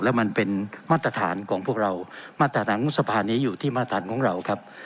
แล้วมันเป็นมาตรฐานของพวกเรามาตรฐานของสภานี้อยู่ที่มาตรฐานของเราครับ